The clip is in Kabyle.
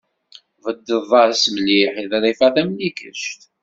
Tbeddeḍ-as mliḥ i Ḍrifa Tamlikect.